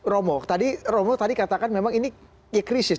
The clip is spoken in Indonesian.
romo tadi romo katakan memang ini krisis